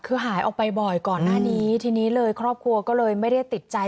คือหายออกไปบ่อยก่อนหน้านี้ทีนี้เลยครอบครัวก็เลยไม่ได้ติดใจ